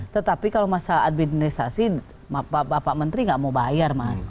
tetapi kalau masalah administrasi bapak menteri nggak mau bayar mas